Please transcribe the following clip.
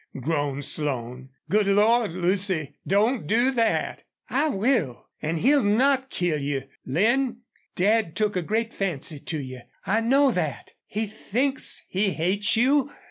groaned Slone. "Good Lord! Lucy, don't do that!" "I will! An' he'll not kill you. Lin, Dad took a great fancy to you. I know that. He thinks he hates you.